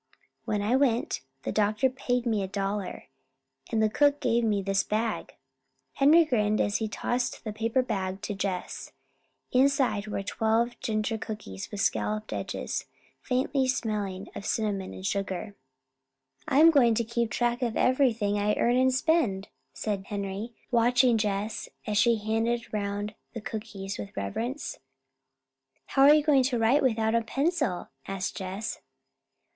"When I went, the doctor paid me a dollar, and the cook gave me this bag." Henry grinned as he tossed the paper bag to Jess. Inside were twelve ginger cookies with scalloped edges, smelling faintly of cinnamon and sugar. "I'm going to keep track of everything I earn and spend," said Henry, watching Jess as she handed around the cookies with reverence. "How are you going to write without a pencil?" asked Jess.